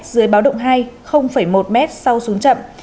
dưới báo động hai một m sau xuống chậm